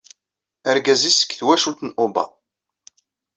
Argaz-nnes seg twacult n Oda.